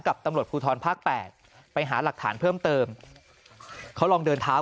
ตำรวจภูทรภาค๘ไปหาหลักฐานเพิ่มเติมเขาลองเดินเท้า